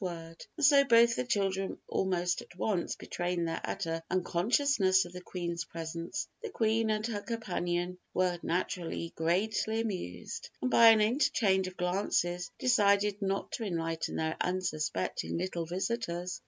And so both the children almost at once betraying their utter unconsciousness of the Queen's presence, the Queen and her companion were naturally greatly amused, and by an interchange of glances decided not to enlighten their unsuspecting little visitors.